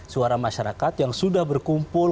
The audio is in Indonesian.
suara masyarakat yang sudah berkumpul